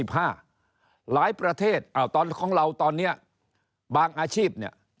หลายประเทศของเราตอนนี้บางอาชีพเนี่ย